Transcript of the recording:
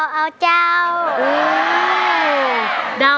เพลงเก่งของคุณครับ